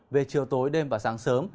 về chiều tối đêm và sáng sớm